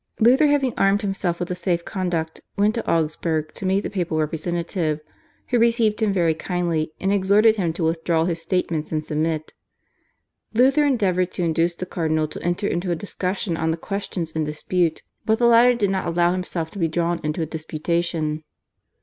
Luther, having armed himself with a safe conduct, went to Augsburg to meet the papal representative, who received him very kindly, and exhorted him to withdraw his statements and submit. Luther endeavoured to induce the cardinal to enter into a discussion on the questions in dispute, but the latter did not allow himself to be drawn into a disputation.